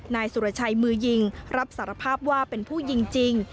นายสุรชัยมือยิงรับสารภาพว่าเป็นผู้ยิงจริง